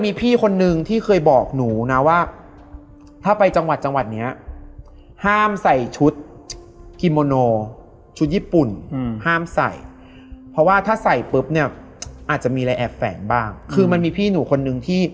โอ้ยพูดอย่างนี้หนูก็